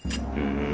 うん。